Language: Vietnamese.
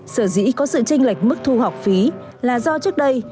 sở dĩ có sự tranh lệch mức thu học phí là do trước đây